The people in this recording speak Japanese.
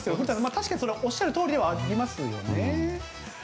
確かにそれはおっしゃるとおりではありますよね。